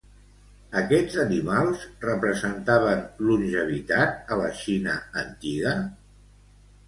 Aquests animals representaven longevitat a la Xina antiga?